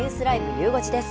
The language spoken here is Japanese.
ゆう５時です。